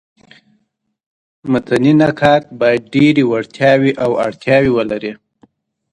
متني نقاد باید ډېري وړتیاوي او اړتیاوي ولري.